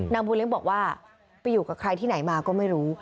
บูเลี้ยบอกว่าไปอยู่กับใครที่ไหนมาก็ไม่รู้